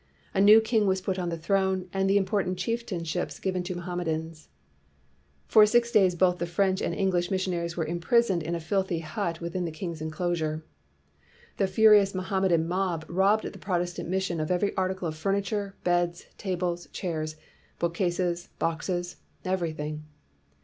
A new king was put on the throne, and the important chieftainships given to Mohammedans. For six days both the French and English missionaries were imprisoned in a filthy hut within the king's enclosure. The furious Mohammedan mob robbed the Protestant mission of every article of furniture, beds, tables, chairs, book cases, boxes, everything.